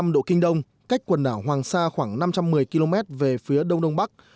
một trăm một mươi sáu năm độ kinh đông cách quần đảo hoàng sa khoảng năm trăm một mươi km về phía đông đông bắc